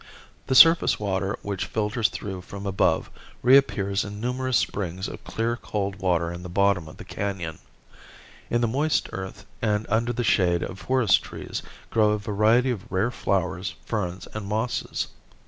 The surface water which filters through from above reappears in numerous springs of clear cold water in the bottom of the canon. In the moist earth and under the shade of forest trees grow a variety of rare flowers, ferns and mosses.